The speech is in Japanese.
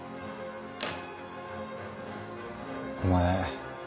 お前。